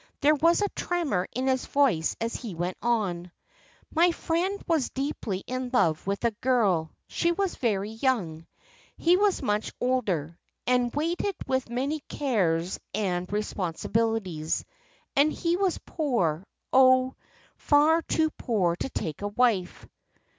There was a tremor in his voice as he went on. "My friend was deeply in love with a girl. She was very young. He was much older, and weighted with many cares and responsibilities, and he was poor oh, far too poor to take a wife."